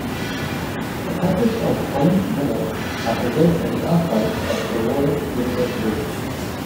The papers of William Miller are preserved in the archives at Aurora University.